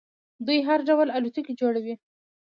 دوی هر ډول الوتکې جوړوي.